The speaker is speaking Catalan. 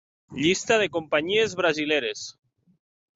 Llista de companyies brasileres.